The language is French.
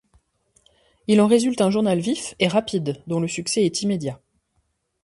Il en résulte un journal vif et rapide dont le succès est immédiat.